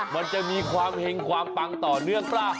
มันจะมีความเห็งความปังต่อเนื่องป่ะ